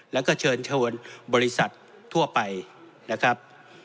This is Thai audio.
แล้วก็เชิญชวนบริษัททั่วไปนะครับ